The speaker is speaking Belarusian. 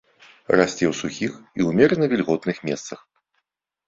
Расце ў сухіх і ўмерана вільготных месцах.